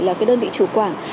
là cái đơn vị chủ quảng